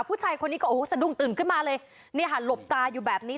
ผู้ชายคนนี้ก็โอ้โหสะดุ้งตื่นขึ้นมาเลยเนี่ยค่ะหลบตาอยู่แบบนี้